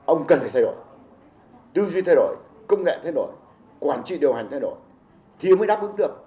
ông cần phải thay đổi tư duy thay đổi công nghệ thay đổi quản trị điều hành thay đổi thì ông mới đáp ứng được